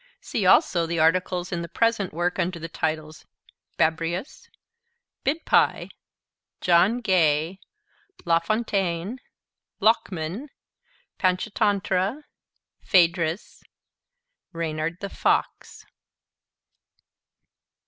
See also the articles in the present work under the titles 'Babrius,' 'Bidpai,' 'John Gay,' 'Lafontaine,' 'Lokman,' 'Panchatantra,' 'Phaedrus,' 'Reynard the Fox.'